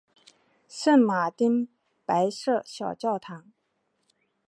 圣马丁白色小教堂。